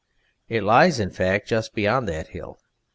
It lies, in fact, just beyond that hill.